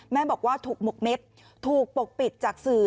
แม่บอกว่าถูกหมกเม็ดถูกปกปิดจากสื่อ